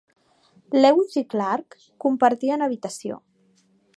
Lewis i Clark compartien habitació.